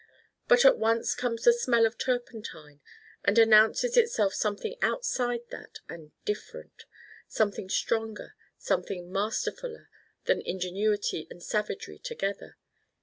But at once comes the Smell of Turpentine and announces itself something outside that and different, something stronger, something masterfuler than ingenuity and savagery together.